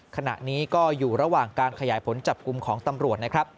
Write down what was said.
ขณะนี้ก็อยู่ระหว่างการขยายผลจับกลุ่มของตำรวจนะครับ